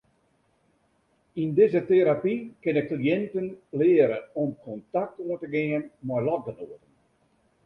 Yn dizze terapy kinne kliïnten leare om kontakt oan te gean mei lotgenoaten.